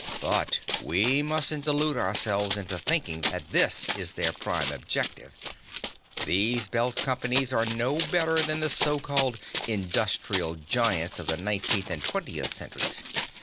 But we mustn't delude ourselves into thinking that that is their prime objective. These Belt Companies are no better than the so called 'industrial giants' of the nineteenth and twentieth centuries.